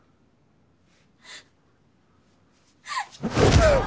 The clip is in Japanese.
うっ！